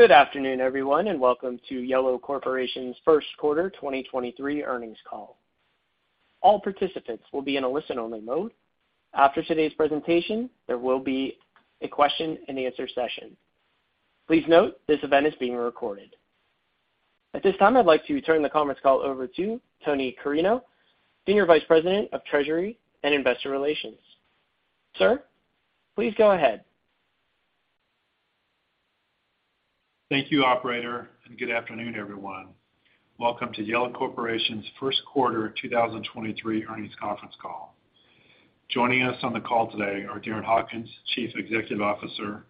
Good afternoon, everyone, welcome to Yellow Corporation's first quarter 2023 earnings call. All participants will be in a listen-only mode. After today's presentation, there will be a question and answer session. Please note, this event is being recorded. At this time, I'd like to turn the conference call over to Tony Carreño, Senior Vice President of Treasury and Investor Relations. Sir, please go ahead. Thank you, operator, and good afternoon, everyone. Welcome to Yellow Corporation's first quarter 2023 earnings conference call. Joining us on the call today are Darren Hawkins, Chief Executive Officer,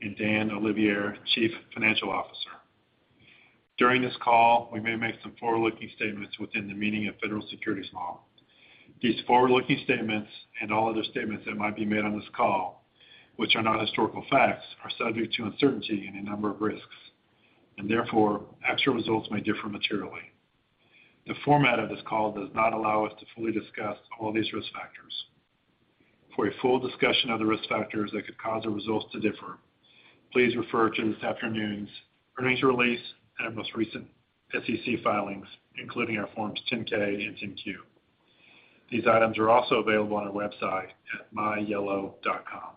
and Dan Olivier, Chief Financial Officer. During this call, we may make some forward-looking statements within the meaning of federal securities law. These forward-looking statements, and all other statements that might be made on this call, which are not historical facts, are subject to uncertainty and a number of risks, and therefore actual results may differ materially. The format of this call does not allow us to fully discuss all these risk factors. For a full discussion of the risk factors that could cause our results to differ, please refer to this afternoon's earnings release and our most recent SEC filings, including our forms 10-K and 10-Q. These items are also available on our website at myyellow.com.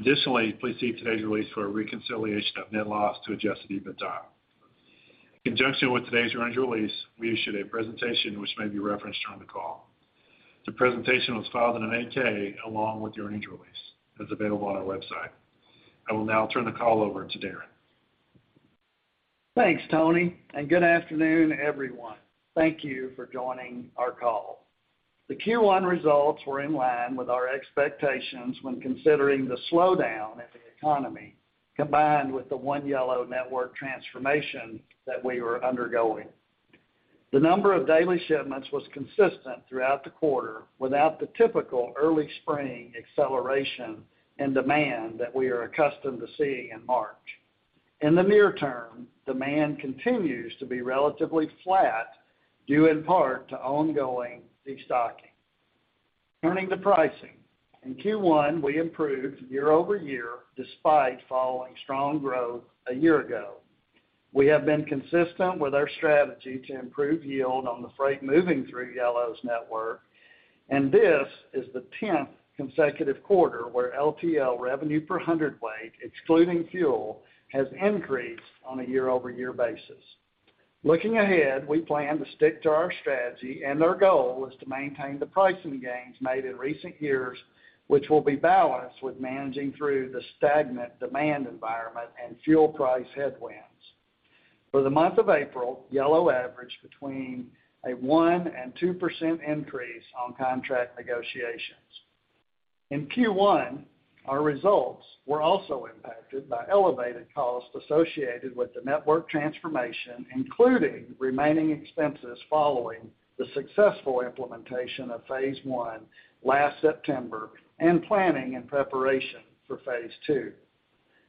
Additionally, please see today's release for a reconciliation of net loss to Adjusted EBITDA. In conjunction with today's earnings release, we issued a presentation which may be referenced during the call. The presentation was filed in an 8-K along with the earnings release that's available on our website. I will now turn the call over to Darren. Thanks, Tony. Good afternoon, everyone. Thank you for joining our call. The Q1 results were in line with our expectations when considering the slowdown in the economy combined with the One Yellow network transformation that we were undergoing. The number of daily shipments was consistent throughout the quarter without the typical early spring acceleration and demand that we are accustomed to seeing in March. In the near term, demand continues to be relatively flat, due in part to ongoing destocking. Turning to pricing. In Q1, we improved year-over-year despite following strong growth a year ago. We have been consistent with our strategy to improve yield on the freight moving through Yellow's network. This is the 10th consecutive quarter where LTL revenue per hundredweight, excluding fuel, has increased on a year-over-year basis. Looking ahead, we plan to stick to our strategy. Our goal is to maintain the pricing gains made in recent years, which will be balanced with managing through the stagnant demand environment and fuel price headwinds. For the month of April, Yellow averaged between a 1% and 2% increase on contract negotiations. In Q1, our results were also impacted by elevated costs associated with the network transformation, including remaining expenses following the successful implementation of phase I last September and planning and preparation for phase II.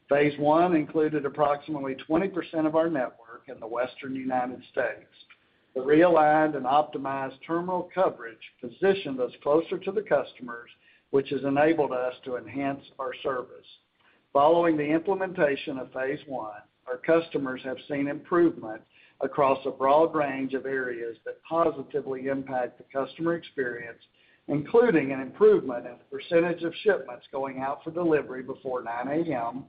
Phase I included approximately 20% of our network in the Western United States. The realigned and optimized terminal coverage positioned us closer to the customers, which has enabled us to enhance our service. Following the implementation of phase I, our customers have seen improvement across a broad range of areas that positively impact the customer experience, including an improvement in the percentage of shipments going out for delivery before 9:00 A.M.,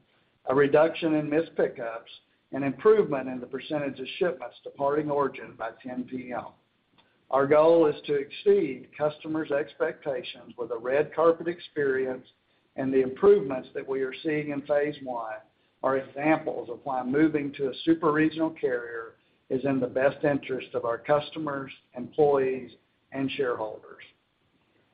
a reduction in missed pickups, an improvement in the percentage of shipments departing origin by 10:00 P.M. Our goal is to exceed customers' expectations with a red carpet experience and the improvements that we are seeing in phase I are examples of why moving to a super-regional carrier is in the best interest of our customers, employees, and shareholders.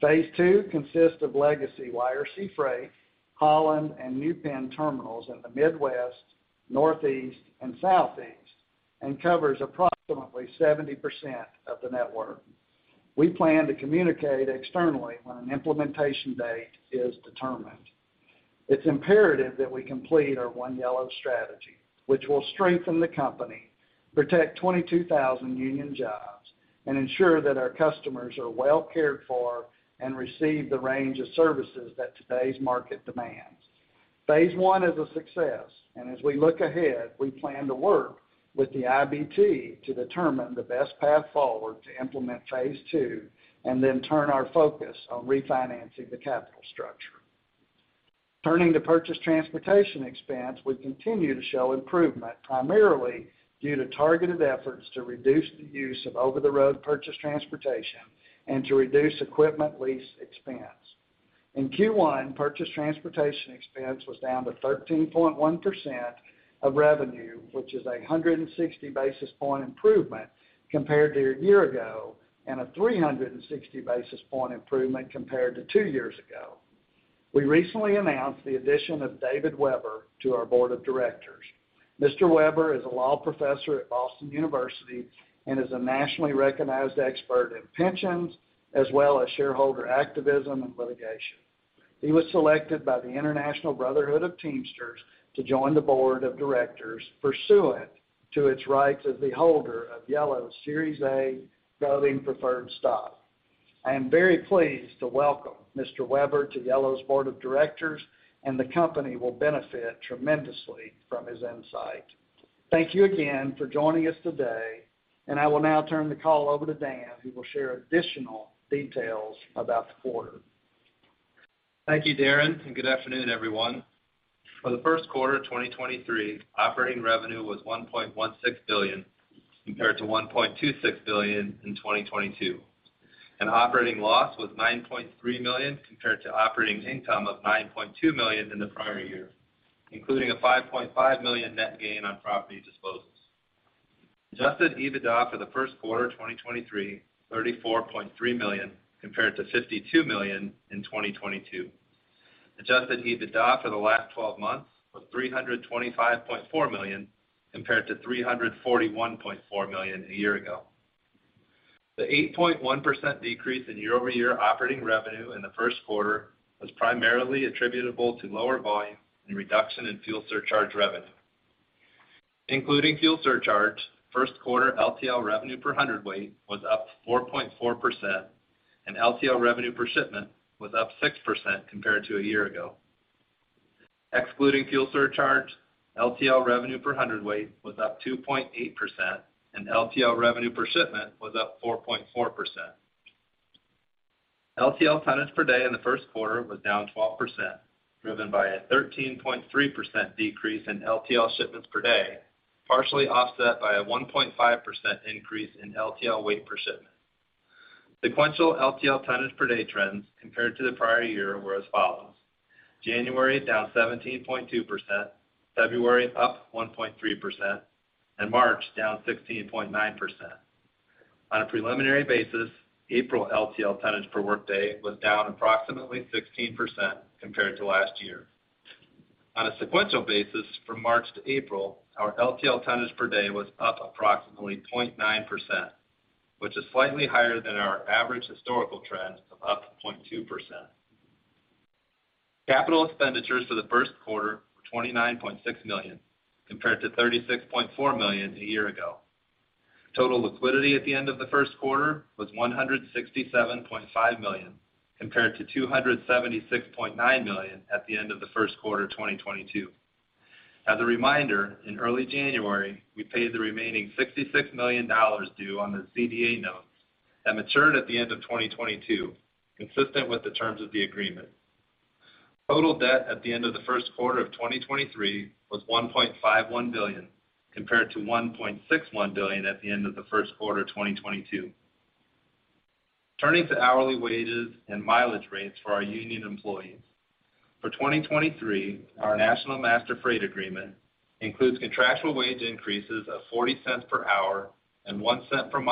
Phase II consists of Legacy YRC Freight, Holland, and New Penn terminals in the Midwest, Northeast, and Southeast and covers approximately 70% of the network. We plan to communicate externally when an implementation date is determined. It's imperative that we complete our One Yellow strategy, which will strengthen the company, protect 22,000 union jobs, and ensure that our customers are well cared for and receive the range of services that today's market demands. Phase I is a success, and as we look ahead, we plan to work with the IBT to determine the best path forward to implement phase II and then turn our focus on refinancing the capital structure. Turning to purchased transportation expense, we continue to show improvement, primarily due to targeted efforts to reduce the use of over-the-road purchased transportation and to reduce equipment lease expense. In Q1, purchased transportation expense was down to 13.1% of revenue, which is a 160 basis point improvement compared to a year ago and a 360 basis point improvement compared to two years ago. We recently announced the addition of David Webber to our board of directors. Mr. Webber is a law professor at Boston University and is a nationally recognized expert in pensions as well as shareholder activism and litigation. He was selected by the International Brotherhood of Teamsters to join the board of directors pursuant to its rights as the holder of Yellow's Series A Voting Preferred Stock. I am very pleased to welcome Mr. Webber to Yellow's board of directors, and the company will benefit tremendously from his insight. Thank you again for joining us today, and I will now turn the call over to Dan, who will share additional details about the quarter. Thank you, Darren, good afternoon, everyone. For the first quarter of 2023, operating revenue was $1.16 billion compared to $1.26 billion in 2022, and operating loss was $9.3 million compared to operating income of $9.2 million in the prior year, including a $5.5 million net gain on property disposals. Adjusted EBITDA for the first quarter of 2023, $34.3 million compared to $52 million in 2022. Adjusted EBITDA for the last 12 months was $325.4 million compared to $341.4 million a year ago. The 8.1% decrease in year-over-year operating revenue in the first quarter was primarily attributable to lower volume and reduction in fuel surcharge revenue. Including fuel surcharge, first quarter LTL revenue per hundredweight was up 4.4%, and LTL revenue per shipment was up 6% compared to a year ago. Excluding fuel surcharge, LTL revenue per hundredweight was up 2.8%, and LTL revenue per shipment was up 4.4%. LTL tonnage per day in the first quarter was down 12%, driven by a 13.3% decrease in LTL shipments per day, partially offset by a 1.5% increase in LTL weight per shipment. Sequential LTL tonnage per day trends compared to the prior year were as follows: January, down 17.2%; February, up 1.3%; and March, down 16.9%. On a preliminary basis, April LTL tonnage per workday was down approximately 16% compared to last year. On a sequential basis from March to April, our LTL tonnage per day was up approximately 0.9%, which is slightly higher than our average historical trend of up 0.2%. Capital expenditures for the first quarter were $29.6 million compared to $36.4 million a year ago. Total liquidity at the end of the first quarter was $167.5 million compared to $276.9 million at the end of the first quarter of 2022. As a reminder, in early January, we paid the remaining $66 million due on the CDA note that matured at the end of 2022, consistent with the terms of the agreement. Total debt at the end of the first quarter of 2023 was $1.51 billion, compared to $1.61 billion at the end of the first quarter of 2022. Turning to hourly wages and mileage rates for our union employees. For 2023, our National Master Freight Agreement includes contractual wage increases of $0.40 per hour and $0.01 per mi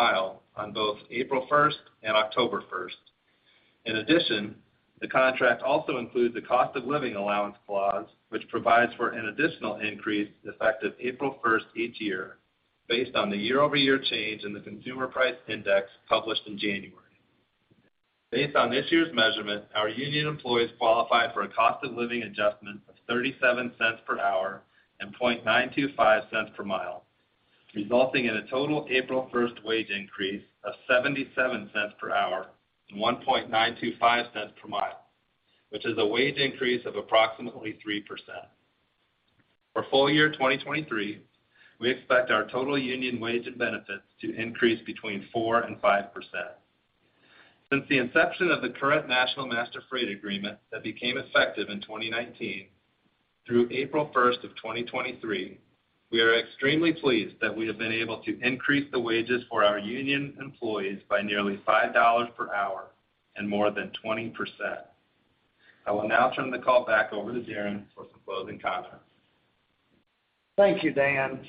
on both April first and October first. In addition, the contract also includes a cost of living allowance clause, which provides for an additional increase effective April 1st each year based on the year-over-year change in the consumer price index published in January. Based on this year's measurement, our union employees qualify for a cost of living adjustment of $0.37 per hour and $0.00925 per mi, resulting in a total April 1st wage increase of $0.77 per hour and $0.01925 per mi, which is a wage increase of approximately 3%. For full year 2023, we expect our total union wage and benefits to increase between 4% and 5%. Since the inception of the current National Master Freight Agreement that became effective in 2019 through April 1st of 2023, we are extremely pleased that we have been able to increase the wages for our union employees by nearly $5 per hour and more than 20%. I will now turn the call back over to Darren for some closing comments. Thank you, Dan.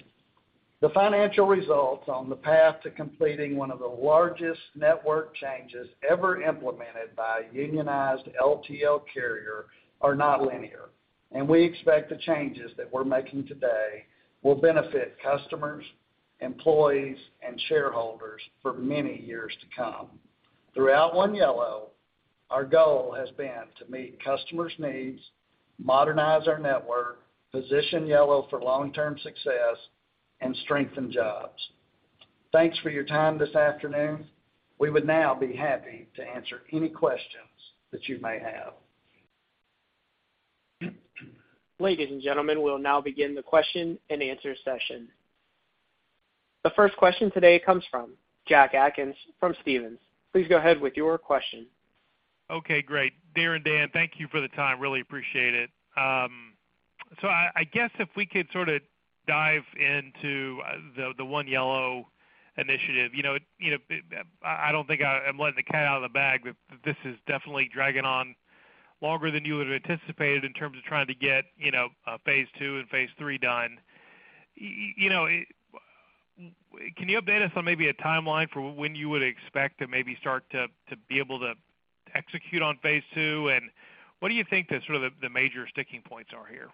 The financial results on the path to completing one of the largest network changes ever implemented by a unionized LTL carrier are not linear. We expect the changes that we're making today will benefit customers, employees, and shareholders for many years to come. Throughout One Yellow, our goal has been to meet customers' needs, modernize our network, position Yellow for long-term success, and strengthen jobs. Thanks for your time this afternoon. We would now be happy to answer any questions that you may have. Ladies and gentlemen, we'll now begin the question and answer session. The first question today comes from Jack Atkins from Stephens. Please go ahead with your question. Great. Darren, Dan, thank you for the time. Really appreciate it. I guess if we could sort of dive into the One Yellow initiative. You know, I don't think I am letting the cat out of the bag that this is definitely dragging on longer than you would have anticipated in terms of trying to get, you know, phase II and phase III done. You know, can you update us on maybe a timeline for when you would expect to maybe start to be able to execute on phase II? What do you think the sort of the major sticking points are here?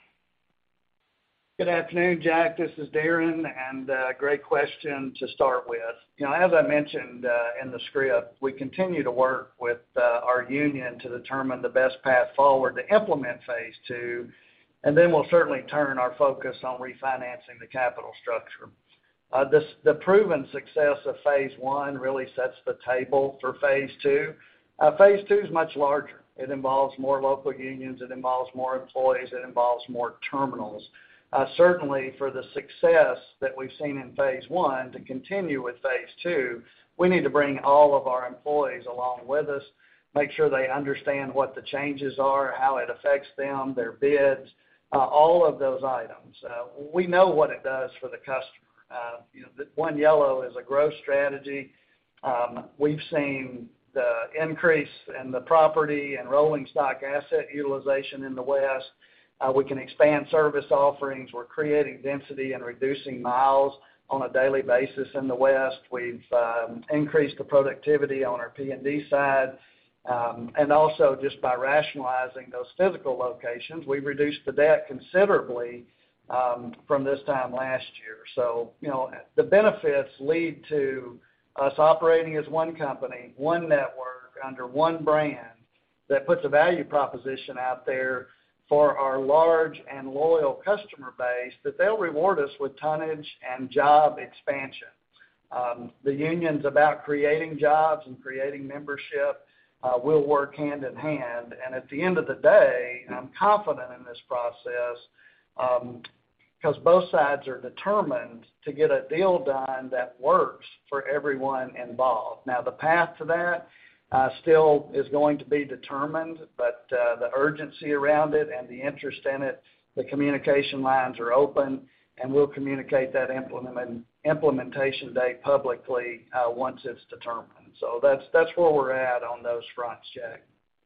Good afternoon, Jack. This is Darren, great question to start with. You know, as I mentioned in the script, we continue to work with our union to determine the best path forward to implement phase II, then we'll certainly turn our focus on refinancing the capital structure. This, the proven success of phase I really sets the table for phase II. Phase II is much larger. It involves more local unions, it involves more employees, it involves more terminals. Certainly for the success that we've seen in phase I to continue with phase II, we need to bring all of our employees along with us, make sure they understand what the changes are, how it affects them, their bids, all of those items. We know what it does for the customer. You know, One Yellow is a growth strategy. We've seen the increase in the property and rolling stock asset utilization in the West. We can expand service offerings. We're creating density and reducing miles on a daily basis in the West. We've increased the productivity on our P&D side. Also just by rationalizing those physical locations, we've reduced the debt considerably from this time last year. You know, the benefits lead to us operating as one company, one network under one brand that puts a value proposition out there for our large and loyal customer base that they'll reward us with tonnage and job expansion. The Union's about creating jobs and creating membership, we'll work hand in hand. At the end of the day, I'm confident in this process because both sides are determined to get a deal done that works for everyone involved. The path to that, still is going to be determined, but the urgency around it and the interest in it, the communication lines are open, and we'll communicate that implementation date publicly, once it's determined. That's where we're at on those fronts, Jack.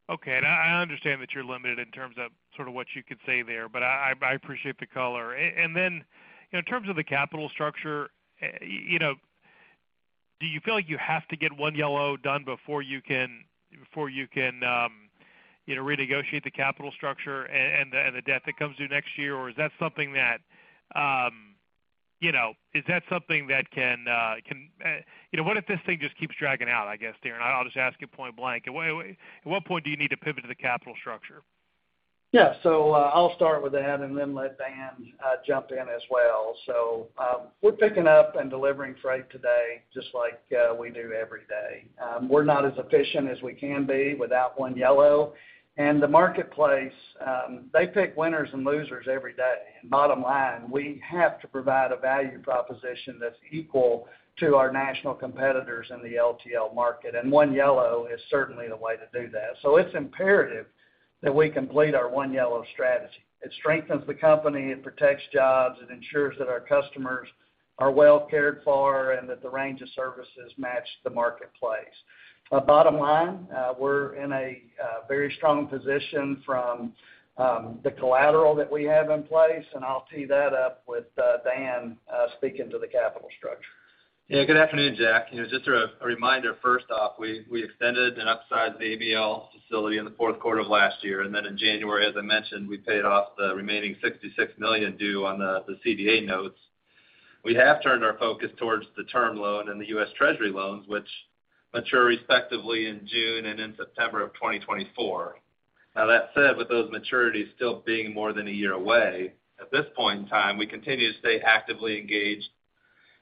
Okay. And I understand that you're limited in terms of sort of what you could say there, but I appreciate the color. Then, you know, in terms of the capital structure, you know, do you feel like you have to get One Yellow done before you can, you know, renegotiate the capital structure and the debt that comes due next year? Is that something that, you know, is that something that can, you know, what if this thing just keeps dragging out, I guess, Darren? I'll just ask you point blank. At what point do you need to pivot to the capital structure? I'll start with that and then let Dan jump in as well. We're picking up and delivering freight today just like we do every day. We're not as efficient as we can be without One Yellow. The marketplace, they pick winners and losers every day. Bottom line, we have to provide a value proposition that's equal to our national competitors in the LTL market, and One Yellow is certainly the way to do that. It's imperative that we complete our One Yellow strategy. It strengthens the company, it protects jobs, it ensures that our customers are well cared for, and that the range of services match the marketplace. Bottom line, we're in a very strong position from the collateral that we have in place, and I'll tee that up with Dan speaking to the capital structure. Yeah. Good afternoon, Jack. You know, just a reminder first off, we extended and upsized the ABL facility in the fourth quarter of last year. Then in January, as I mentioned, we paid off the remaining $66 million due on the CDA notes. We have turned our focus towards the term loan and the US Treasury loans, which mature respectively in June and in September of 2024. That said, with those maturities still being more than a year away, at this point in time, we continue to stay actively engaged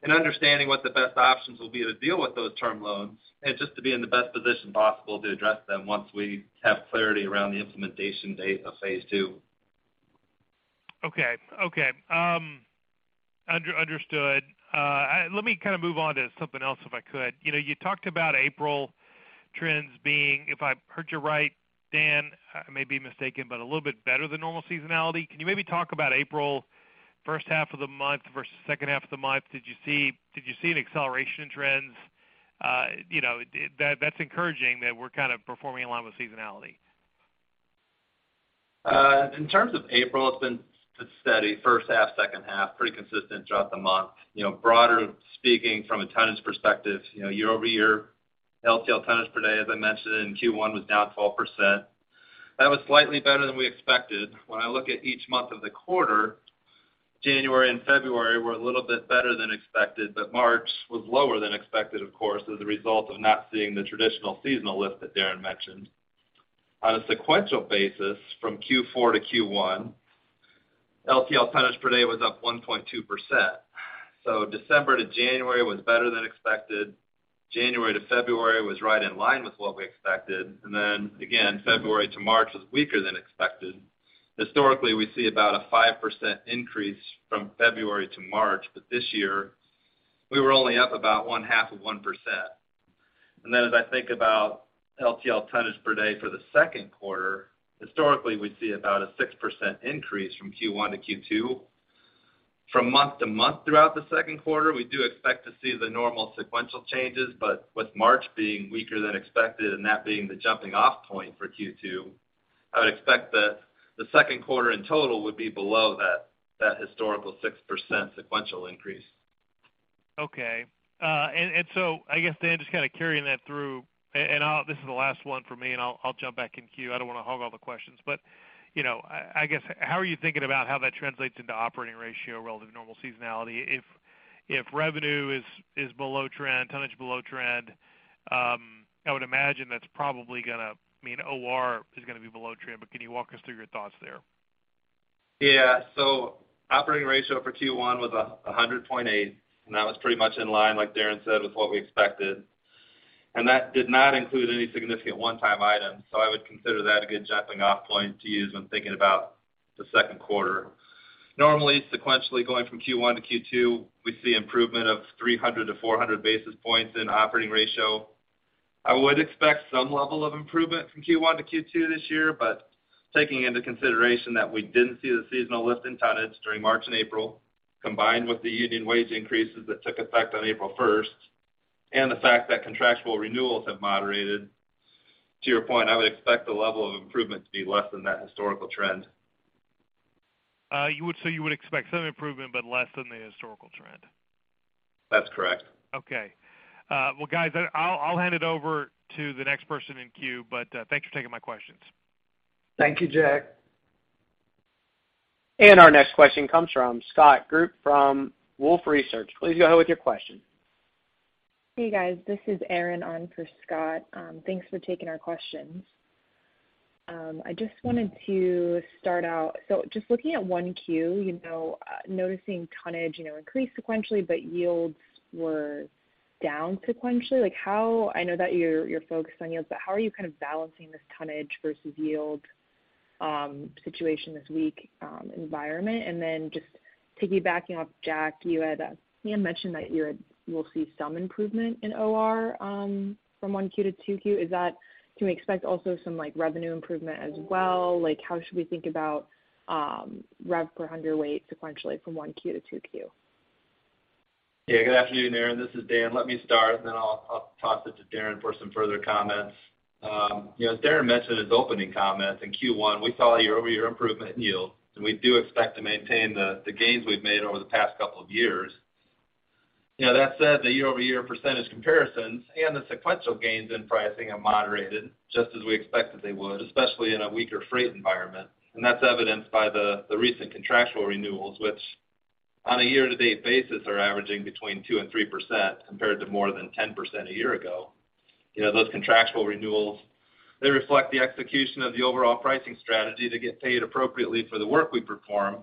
in understanding what the best options will be to deal with those term loans and just to be in the best position possible to address them once we have clarity around the implementation date of phase II. Okay. Okay. Understood. Let me kind of move on to something else if I could. You know, you talked about April trends being, if I heard you right, Dan, I may be mistaken, but a little bit better than normal seasonality. Can you maybe talk about April first half of the month versus H2 of the month? Did you see an acceleration in trends? You know, that's encouraging that we're kind of performing along with seasonality. In terms of April, it's been steady first half, H2, pretty consistent throughout the month. You know, broader speaking from a tonnage perspective, you know, year-over-year, LTL tonnage per day, as I mentioned in Q1, was down 12%. That was slightly better than we expected. When I look at each month of the quarter, January and February were a little bit better than expected, but March was lower than expected, of course, as a result of not seeing the traditional seasonal lift that Darren mentioned. On a sequential basis from Q4 to Q1, LTL tonnage per day was up 1.2%. December to January was better than expected. January to February was right in line with what we expected. Then again, February to March was weaker than expected. Historically, we see about a 5% increase from February to March. This year, we were only up about one half of 1%. As I think about LTL tonnage per day for the second quarter, historically, we see about a 6% increase from Q1 to Q2. From month to month throughout the second quarter, we do expect to see the normal sequential changes. With March being weaker than expected and that being the jumping off point for Q2, I would expect that the second quarter in total would be below that historical 6% sequential increase. Okay. I guess, Dan, just kind of carrying that through, this is the last one for me, and I'll jump back in queue. I don't wanna hog all the questions, but, you know, I guess, how are you thinking about how that translates into operating ratio relative to normal seasonality? If revenue is below trend, tonnage below trend, I would imagine that's probably gonna mean OR is gonna be below trend. Can you walk us through your thoughts there? Yeah. Operating ratio for Q1 was 100.8, and that was pretty much in line, like Darren said, with what we expected. That did not include any significant one-time items. I would consider that a good jumping off point to use when thinking about the second quarter. Normally, sequentially going from Q1 to Q2, we see improvement of 300-400 basis points in operating ratio. I would expect some level of improvement from Q1 to Q2 this year, but taking into consideration that we didn't see the seasonal lift in tonnage during March and April, combined with the union wage increases that took effect on April 1st, and the fact that contractual renewals have moderated, to your point, I would expect the level of improvement to be less than that historical trend. So you would expect some improvement but less than the historical trend? That's correct. Okay. Well, guys, I'll hand it over to the next person in queue, but, thanks for taking my questions. Thank you, Jack. Our next question comes from Scott Group from Wolfe Research. Please go ahead with your question. Hey, guys. This is Erin on for Scott. thanks for taking our questions. I just wanted to start out. Just looking at one Q, you know, noticing tonnage, you know, increased sequentially, but yields were down sequentially. Like, how I know that you're focused on yields, but how are you kind of balancing this tonnage versus yield situation this week, environment? Just piggybacking off Jack, you had Ian mentioned that you will see some improvement in OR from one Q to two Q. Can we expect also some, like, revenue improvement as well? Like, how should we think about rev per hundredweight sequentially from one Q to two Q? Yeah. Good afternoon, Erin. This is Dan. Let me start, then I'll toss it to Darren for some further comments. You know, as Darren mentioned in his opening comments, in Q1, we saw a year-over-year improvement in yield, and we do expect to maintain the gains we've made over the past couple of years. You know, that said, the year-over-year percentage comparisons and the sequential gains in pricing have moderated just as we expected they would, especially in a weaker freight environment. That's evidenced by the recent contractual renewals, which on a year-to-date basis are averaging between 2%-3% compared to more than 10% a year ago. You know, those contractual renewals, they reflect the execution of the overall pricing strategy to get paid appropriately for the work we perform,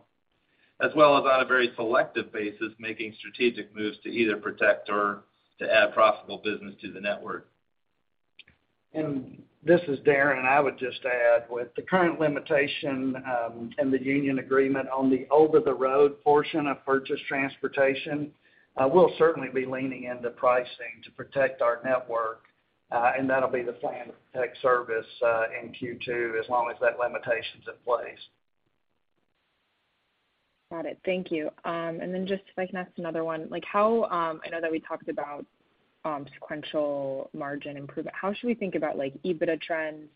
as well as on a very selective basis, making strategic moves to either protect or to add profitable business to the network. This is Darren. I would just add, with the current limitation, in the union agreement on the over-the-road portion of purchased transportation, we'll certainly be leaning into pricing to protect our network, and that'll be the plan tech service, in Q2 as long as that limitation's in place. Got it. Thank you. Just if I can ask another one. I know that we talked about sequential margin improvement. How should we think about, like, EBITDA trends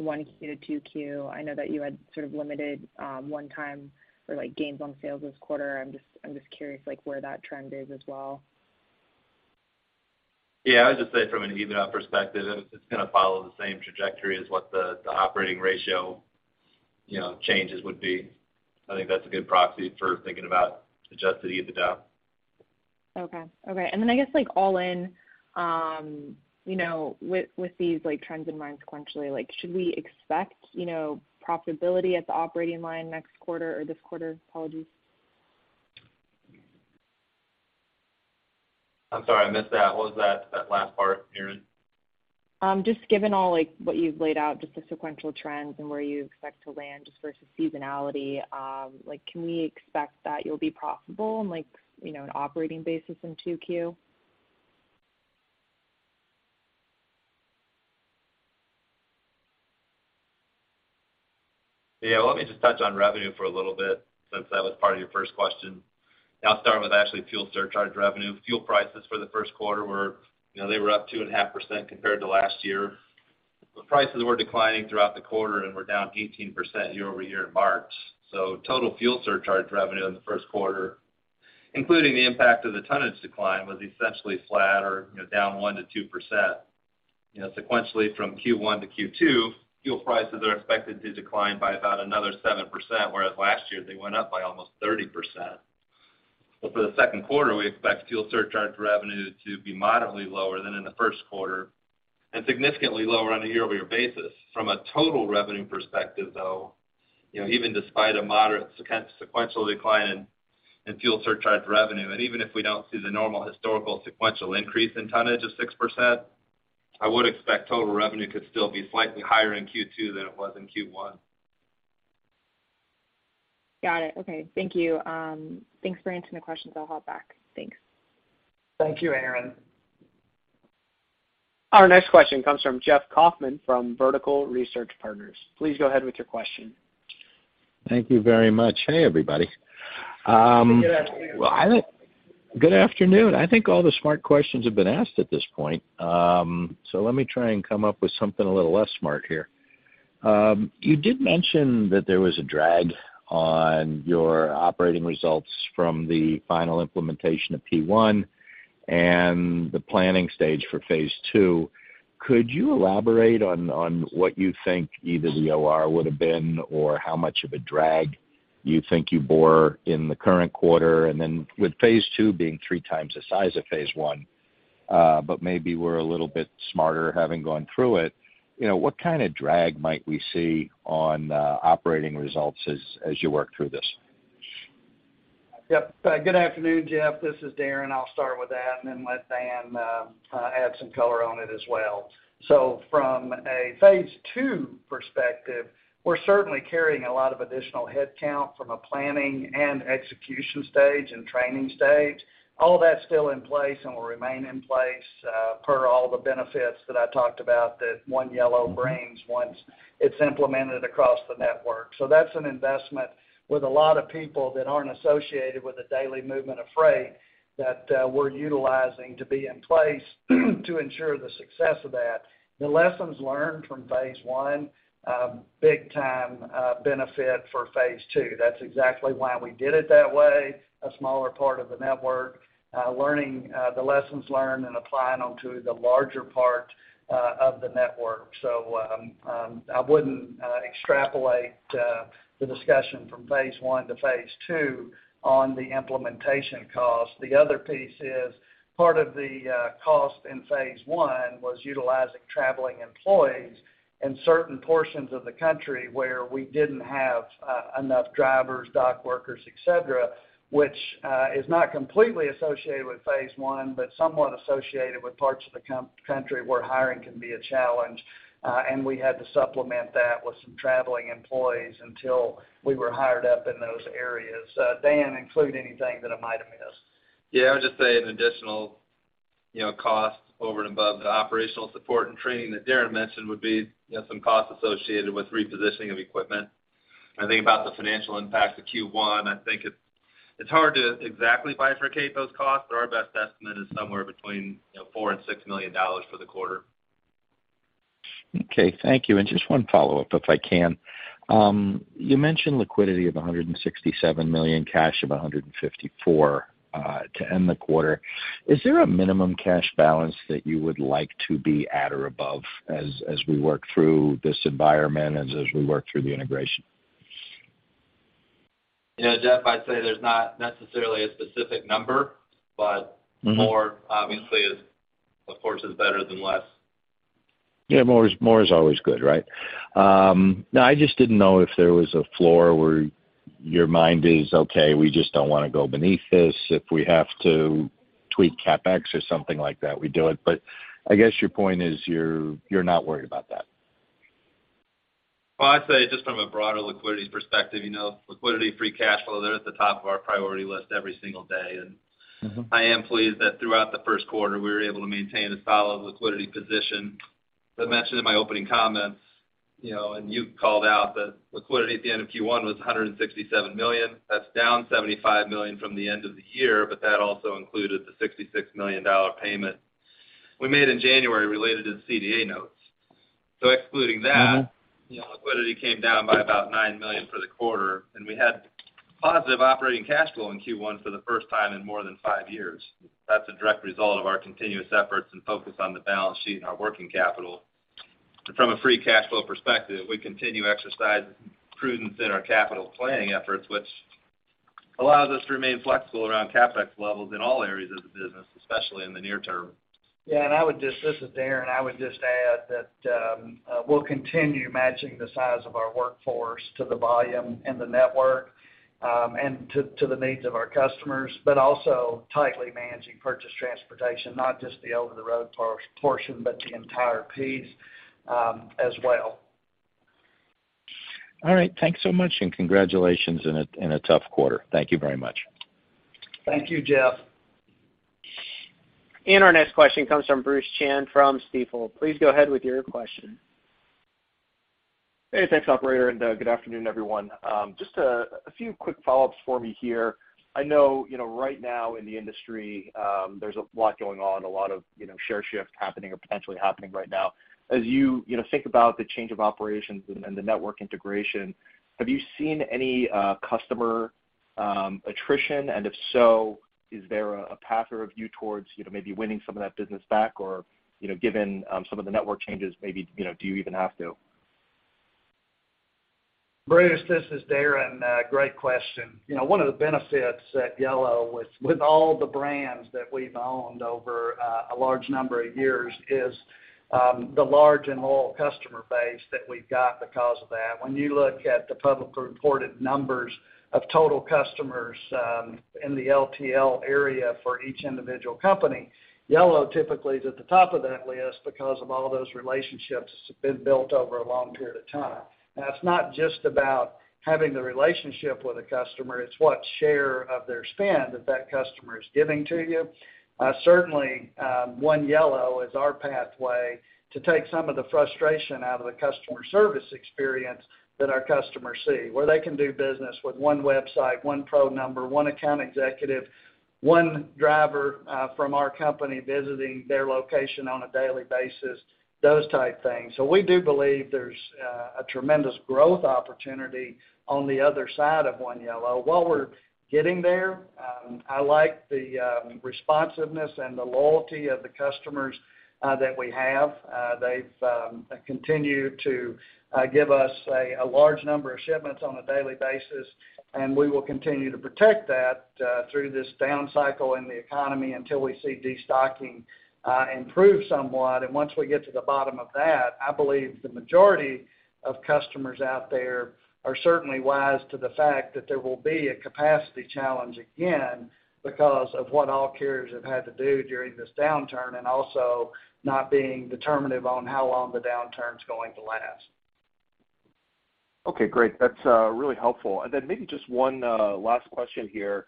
1Q to 2Q? I know that you had sort of limited, one-time for, like, gains on sales this quarter. I'm just curious, like, where that trend is as well. I would just say from an EBITDA perspective, it's gonna follow the same trajectory as what the operating ratio, you know, changes would be. I think that's a good proxy for thinking about Adjusted EBITDA. Okay. Okay. I guess, like, all in, you know, with these, like, trends in mind sequentially, like, should we expect, you know, profitability at the operating line next quarter or this quarter? Apologies. I'm sorry, I missed that. What was that last part, Erin? just given all, like, what you've laid out, just the sequential trends and where you expect to land just versus seasonality, like, can we expect that you'll be profitable in, like, you know, an operating basis in 2Q? Yeah. Let me just touch on revenue for a little bit since that was part of your first question. I'll start with actually fuel surcharge revenue. Fuel prices for the first quarter were, you know, they were up 2.5% compared to last year. The prices were declining throughout the quarter and were down 18% year-over-year in March. Total fuel surcharge revenue in the first quarter, including the impact of the tonnage decline, was essentially flat or, you know, down 1%-2%. You know, sequentially from Q1- Q2, fuel prices are expected to decline by about another 7%, whereas last year they went up by almost 30%. For the second quarter, we expect fuel surcharge revenue to be moderately lower than in the first quarter and significantly lower on a year-over-year basis. From a total revenue perspective, though, you know, even despite a moderate sequential decline in fuel surcharge revenue, even if we don't see the normal historical sequential increase in tonnage of 6%, I would expect total revenue could still be slightly higher in Q2 than it was in Q1. Got it. Okay. Thank you. Thanks for answering the questions. I'll hop back. Thanks. Thank you, Erin. Our next question comes from Jeff Kauffman from Vertical Research Partners. Please go ahead with your question. Thank you very much. Hey, everybody. Good afternoon. Well, I. Good afternoon. I think all the smart questions have been asked at this point. Let me try and come up with something a little less smart here. You did mention that there was a drag on your operating results from the final implementation of P1 and the planning stage for phase II. Could you elaborate on what you think either the OR would have been or how much of a drag you think you bore in the current quarter? With phase II being three times the size of phase I, but maybe we're a little bit smarter having gone through it. You know, what kind of drag might we see on operating results as you work through this? Good afternoon, Jeff. This is Darren. I'll start with that and then let Dan add some color on it as well. From a phase II perspective, we're certainly carrying a lot of additional headcount from a planning and execution stage and training stage. All that's still in place and will remain in place, per all the benefits that I talked about that One Yellow brings once it's implemented across the network. That's an investment with a lot of people that aren't associated with the daily movement of freight that we're utilizing to be in place to ensure the success of that. The lessons learned from phase I, big time benefit for phase II. That's exactly why we did it that way, a smaller part of the network, learning the lessons learned and applying them to the larger part of the network. I wouldn't extrapolate the discussion from phase I to phase II on the implementation cost. The other piece is part of the cost in phase I was utilizing traveling employees in certain portions of the country where we didn't have enough drivers, dock workers, et cetera, which is not completely associated with phase I, but somewhat associated with parts of the country where hiring can be a challenge. And we had to supplement that with some traveling employees until we were hired up in those areas. Dan, include anything that I might have missed. Yeah. I would just say an additional, you know, cost over and above the operational support and training that Darren mentioned would be, you have some costs associated with repositioning of equipment. I think about the financial impact to Q1, I think it's hard to exactly bifurcate those costs, but our best estimate is somewhere between, you know, $4 million and $6 million for the quarter. Okay. Thank you. Just one follow-up, if I can. You mentioned liquidity of $167 million, cash of $154 million to end the quarter. Is there a minimum cash balance that you would like to be at or above as we work through this environment and as we work through the integration? You know, Jeff, I'd say there's not necessarily a specific number, but- Mm-hmm... more obviously is, of course, is better than less. Yeah, more is always good, right? No, I just didn't know if there was a floor where your mind is, okay, we just don't wanna go beneath this. If we have to tweak CapEx or something like that, we do it. I guess your point is you're not worried about that. Well, I'd say just from a broader liquidity perspective, you know, liquidity, free cash flow, they're at the top of our priority list every single day. Mm-hmm I am pleased that throughout the first quarter, we were able to maintain a solid liquidity position. As I mentioned in my opening comments, you know, and you called out that liquidity at the end of Q1 was $167 million. That's down $75 million from the end of the year, but that also included the $66 million payment we made in January related to the CDA notes. Mm-hmm... you know, liquidity came down by about $9 million for the quarter, and we had positive operating cash flow in Q1 for the first time in more than five years. That's a direct result of our continuous efforts and focus on the balance sheet and our working capital. From a free cash flow perspective, we continue exercising prudence in our capital planning efforts, which allows us to remain flexible around CapEx levels in all areas of the business, especially in the near term. Yeah. This is Darren. I would just add that, we'll continue matching the size of our workforce to the volume and the network, to the needs of our customers, but also tightly managing purchased transportation, not just the over-the-road portion, but the entire piece as well. All right. Thanks so much. Congratulations in a tough quarter. Thank you very much. Thank you, Jeff. Our next question comes from Bruce Chan from Stifel. Please go ahead with your question. Hey, thanks, operator. Good afternoon, everyone. Just a few quick follow-ups for me here. I know, you know, right now in the industry, there's a lot going on, a lot of, you know, share shifts happening or potentially happening right now. As you know, think about the change of operations and the network integration, have you seen any customer attrition? If so, is there a path or a view towards, you know, maybe winning some of that business back or, you know, given some of the network changes, maybe, you know, do you even have to? Bruce, this is Darren. Great question. You know, one of the benefits at Yellow with all the brands that we've owned over a large number of years is the large and loyal customer base that we've got because of that. When you look at the publicly reported numbers of total customers, in the LTL area for each individual company, Yellow typically is at the top of that list because of all those relationships that have been built over a long period of time. It's not just about having the relationship with a customer, it's what share of their spend that customer is giving to you.f Certainly, One Yellow is our pathway to take some of the frustration out of the customer service experience that our customers see, where they can do business with one website, one PRO number, one account executive, one driver from our company visiting their location on a daily basis, those type things. We do believe there's a tremendous growth opportunity on the other side of One Yellow. While we're getting there. I like the responsiveness and the loyalty of the customers that we have. They've continued to give us a large number of shipments on a daily basis, and we will continue to protect that through this down cycle in the economy until we see destocking improve somewhat. Once we get to the bottom of that, I believe the majority of customers out there are certainly wise to the fact that there will be a capacity challenge again because of what all carriers have had to do during this downturn, and also not being determinative on how long the downturn's going to last. Okay, great. That's really helpful. Then maybe just one last question here.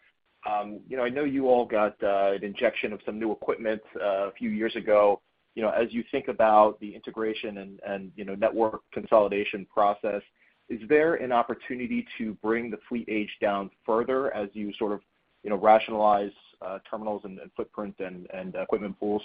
You know, I know you all got an injection of some new equipment a few years ago. You know, as you think about the integration and, you know, network consolidation process, is there an opportunity to bring the fleet age down further as you sort of, you know, rationalize terminals and footprint and equipment pools?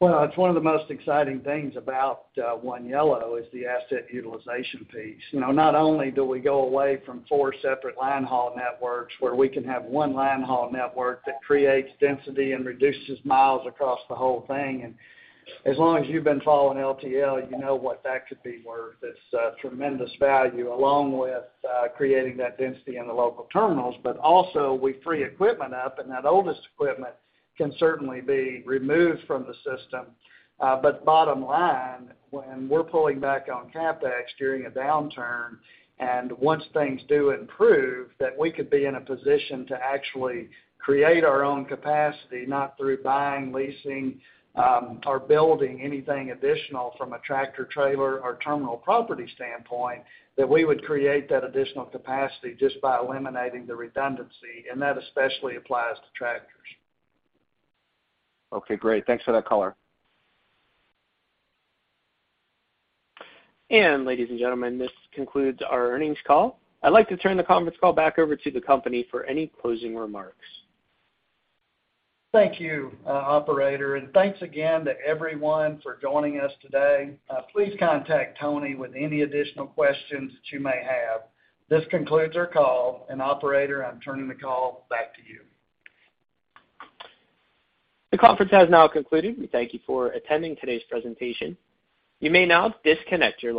Well, it's one of the most exciting things about One Yellow, is the asset utilization piece. You know, not only do we go away from four separate line haul networks where we can have one line haul network that creates density and reduces miles across the whole thing. As long as you've been following LTL, you know what that could be worth. It's tremendous value, along with creating that density in the local terminals. Also, we free equipment up, and that oldest equipment can certainly be removed from the system. Bottom line, when we're pulling back on CapEx during a downturn, and once things do improve, that we could be in a position to actually create our own capacity, not through buying, leasing, or building anything additional from a tractor, trailer or terminal property standpoint, that we would create that additional capacity just by eliminating the redundancy, and that especially applies to tractors. Okay, great. Thanks for that color. Ladies and gentlemen, this concludes our earnings call. I'd like to turn the conference call back over to the company for any closing remarks. Thank you, operator, and thanks again to everyone for joining us today. Please contact Tony with any additional questions that you may have. This concludes our call. Operator, I'm turning the call back to you. The conference has now concluded. We thank you for attending today's presentation. You may now disconnect your lines.